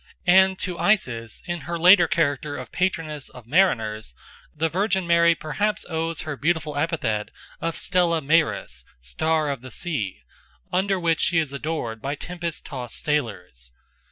And to Isis in her later character of patroness of mariners the Virgin Mary perhaps owes her beautiful epithet of Stella Maris, "Star of the Sea," under which she is adored by tempest tossed sailors.